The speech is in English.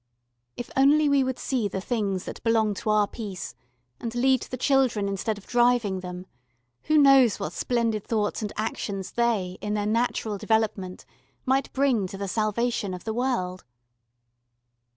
If only we would see the things that belong to our peace, and lead the children instead of driving them, who knows what splendid thoughts and actions they in their natural development might bring to the salvation of the world?